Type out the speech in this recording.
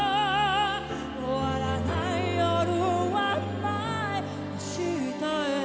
「終わらない夜はない明日へ」